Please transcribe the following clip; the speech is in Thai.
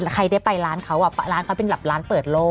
ใครได้ไปร้านเขาร้านเขาเป็นแบบร้านเปิดโล่